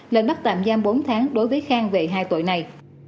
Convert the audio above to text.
lệnh bắt tạm giam bốn tháng đối với khang về hai tội này